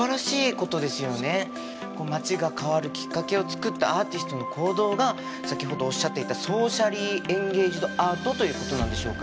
こう街が変わるきっかけを作ったアーティストの行動が先ほどおっしゃっていたソーシャリー・エンゲイジド・アートということなんでしょうか？